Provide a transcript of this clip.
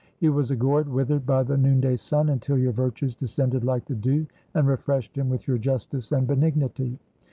He was a gourd withered by the noonday sun, until your virtues descended like the dew, and refreshed him with your justice and benignity.